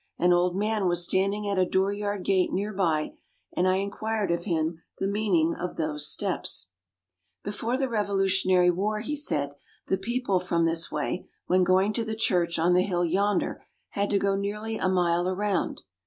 An old man was standing at a door yard gate near by, and I inquired of him the meaning of those steps. [Illustration: "RUSHING DOWN THE HILL LIKE A MADMAN."] "Before the Revolutionary war," he said, "the people from this way, when going to the church on the hill yonder, had to go nearly a mile around.